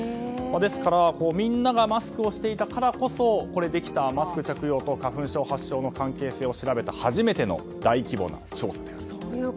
ですから、みんながマスクをしていたからこそできたマスク着用と花粉症発生の関係性を調べた初めての大規模な調査です。